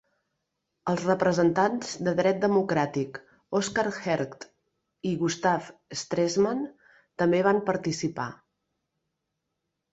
Els representants del dret democràtic, Oskar Hergt i Gustav Stresemann també van participar.